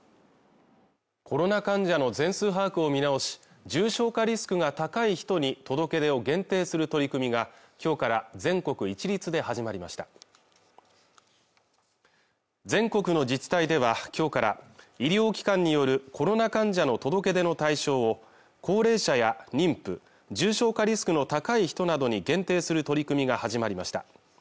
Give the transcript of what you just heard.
コロナ患者の全数把握を見直し重症化リスクが高い人に届け出を限定する取り組みがきょうから全国一律で始まりました全国の自治体ではきょうから医療機関によるコロナ患者の届け出の対象を高齢者や妊婦、重症化リスクの高い人などに限定する取り組みが始まりました